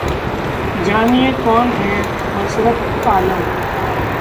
जानिए, कौन है मसरत आलम?